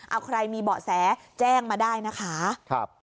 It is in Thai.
เอาใครมีเบาะแสแจ้งมาได้นะคะครับ